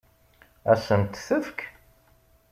Ad sen-t-tefk?